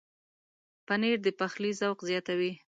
پنېر د پخلي ذوق زیاتوي.